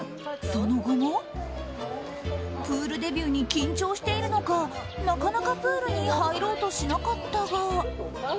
その後も、プールデビューに緊張しているのかなかなかプールに入ろうとしなかったが。